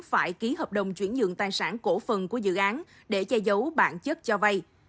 phải ký hợp đồng chuyển dựng tài sản cổ phần của dự án để che giấu bản chất cho vay